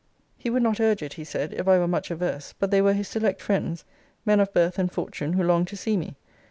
He would not urge it, he said, if I were much averse: but they were his select friends; men of birth and fortune, who longed to see me.